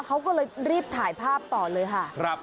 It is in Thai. เขาก็เลยรีบถ่ายภาพต่อเลยค่ะ